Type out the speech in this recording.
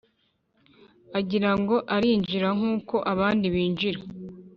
Agira ngo arinjira nkuko abandi binjira